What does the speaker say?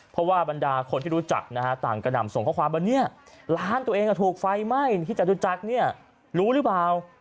เพราะว่าบรรดาคนที่รู้จักต่างกันดั่งส่งข้อความว่างานตัวเองถูกไฟไหม้ที่จัตุจักรรู้รึเปล่า